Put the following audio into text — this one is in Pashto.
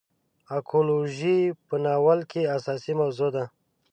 اکولوژي په ناول کې اساسي موضوع ده.